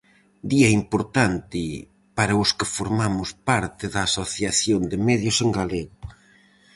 Día importante para os que formamos parte da Asociación de Medios en Galego.